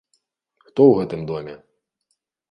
Хто ў гэтым доме?